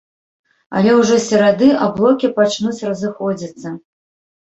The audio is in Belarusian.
Але ўжо з серады аблокі пачнуць разыходзіцца.